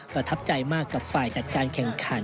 ประทับใจมากกับฝ่ายจัดการแข่งขัน